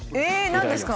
何ですか？